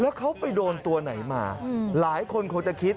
แล้วเขาไปโดนตัวไหนมาหลายคนคงจะคิด